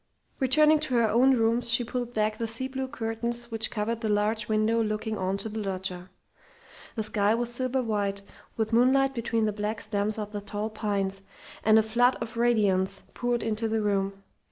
Returning to her own rooms, she pulled back the sea blue curtains which covered the large window looking on to the loggia. The sky was silver white with moonlight between the black stems of the tall pines, and a flood of radiance poured into the room.